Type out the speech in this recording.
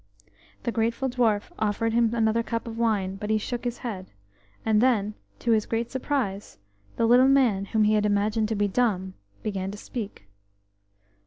The grateful dwarf offered him another cup of wine, but he shook his head, and then, to his great surprise, the little man whom he had imagined to be dumb began to speak.